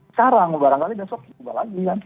sekarang barangkali besok buka lagi kan